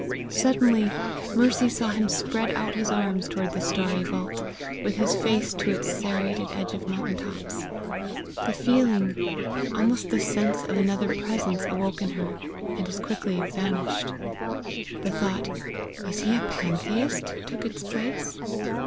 Suddenly, Mercy saw him spread out his arms toward the starry vault, with his face to its serrated edge of mountain tops. The feeling, almost the sense of another presence awoke in her, and as quickly vanished. The thought, IS HE A PANTHEIST? took its place.